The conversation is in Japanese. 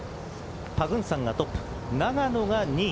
パグンサンがトップ永野が２位。